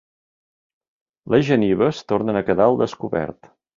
Les genives tornen a quedar al descobert.